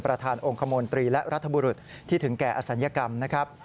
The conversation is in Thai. ประธานองค์คมนตรีและรัฐบุรุษที่ถึงแก่อศัลยกรรมนะครับ